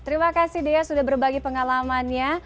terima kasih dea sudah berbagi pengalamannya